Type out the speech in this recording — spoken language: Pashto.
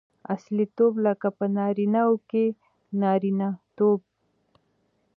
اصیلتوب؛ لکه په نارينه وو کښي نارينه توب.